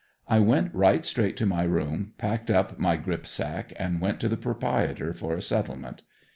I went right straight to my room, packed up my "gripsack" and went to the proprietor for a settlement.